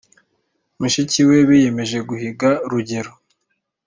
mushikiwe biyemeje guhiga rugero